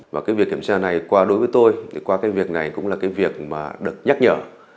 và cái việc kiểm tra này qua đối với tôi qua cái việc này cũng là cái việc mà được nhắc nhở